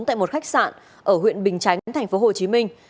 tại một khách sạn ở huyện bình chánh tp hcm